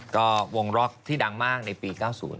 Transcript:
ก็วงล็อกที่ดังมากในปี๙๐